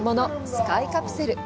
スカイカプセル。